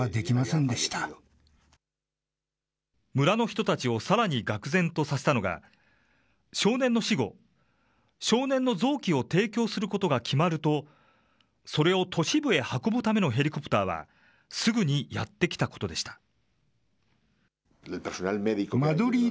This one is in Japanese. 村の人たちをさらにがく然とさせたのが、少年の死後、少年の臓器を提供することが決まると、それを都市部へ運ぶためのヘリコプターは、すぐにやって来たことでした。